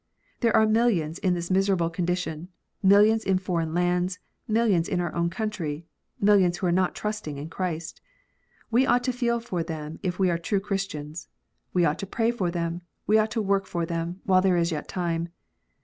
There are millions in this miserable condition, millions in foreign lands, millions in our own country, millions who are not trusting in Christ. We ought to feel for them if we are true Christians ; we ought to pray for them ; we ought to work for them, while there is yet time.